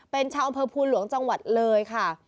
เป็นชาวอำเภอภูหลวงจังหวัดเลยค่ะ